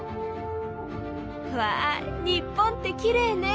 わあ日本ってきれいね。